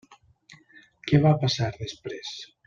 Què va passar després?